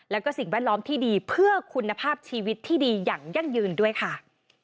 แล้วก็สิ่งแวดล้อมที่ดีเพื่อคุณภาพชีวิตที่ดีอย่างยั่งยืนด้วยค่ะ